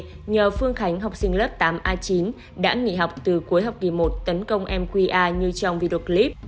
nqgb nhờ phương khánh học sinh lớp tám a chín đã nghỉ học từ cuối học kỳ một tấn công em qa như trong video clip